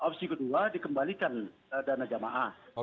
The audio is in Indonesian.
opsi kedua dikembalikan dana jamaah